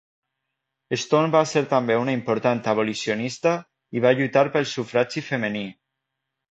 Stone va ser també una important abolicionista i va lluitar pel sufragi femení.